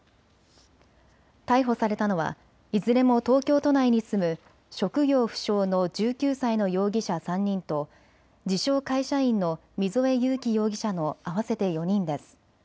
逮捕されたのはいずれも東京都内に住む職業不詳の１９歳の容疑者３人と自称、会社員の溝江悠樹容疑者の合わせて４人です。